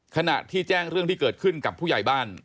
ขณะที่แจ้งเรื่องที่เกิดขึ้นกับผู้ใหญ่บ้าน